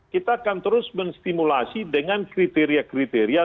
kita akan terus menstimulasi dengan kriteria kriteria